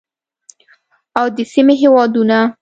او د سیمې هیوادونه